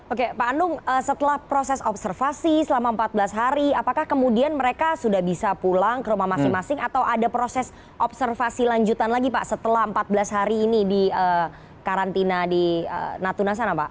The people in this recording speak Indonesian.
oke pak andung setelah proses observasi selama empat belas hari apakah kemudian mereka sudah bisa pulang ke rumah masing masing atau ada proses observasi lanjutan lagi pak setelah empat belas hari ini di karantina di natuna sana pak